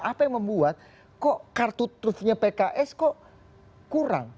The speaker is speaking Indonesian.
apa yang membuat kok kartu trufnya pks kok kurang